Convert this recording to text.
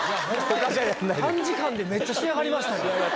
短時間でめっちゃ仕上がりま